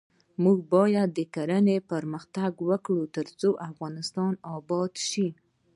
موږ باید کرنه پرمختګ ورکړو ، ترڅو افغانستان اباد شي.